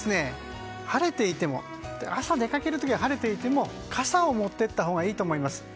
朝出かける時は晴れていても傘を持っていったほうがいいと思います。